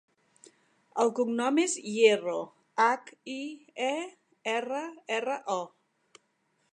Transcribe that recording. El cognom és Hierro: hac, i, e, erra, erra, o.